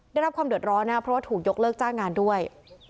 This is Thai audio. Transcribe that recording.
ได้รับความเดือดร้อนนะครับเพราะว่าถูกยกเลิกจ้างงานด้วย